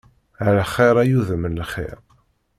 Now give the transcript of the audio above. Ɛelxir ay udem n lxir.